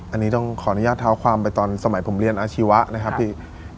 อันนี้ต้องขออนุญาตเท้าความไปตอนสมัยผมเรียนอาชีวะนะครับพี่